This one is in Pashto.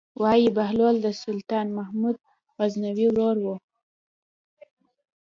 وايي بهلول د سلطان محمود غزنوي ورور و.